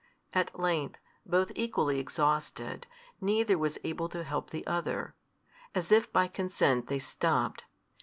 At length, both equally exhausted, neither was able to help the other. As if by consent they stopped.